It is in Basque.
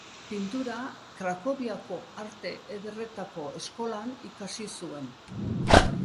Pintura Krakoviako arte ederretako eskolan ikasi zuen.